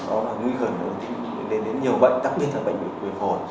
đó là nguy gần đến nhiều bệnh đặc biệt là bệnh bệnh khủy phổn